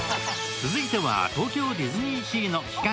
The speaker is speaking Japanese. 続いては東京ディズニーシーの期間